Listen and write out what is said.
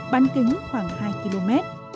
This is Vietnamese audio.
ban kính khoảng hai km